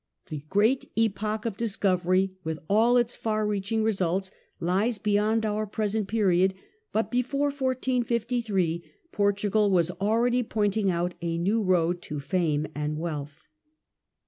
The great epoch of discovery, with all its far reaching results, lies beyond our present period ; but before 1453 Portugal was already pointing out a new road to fame and wealth.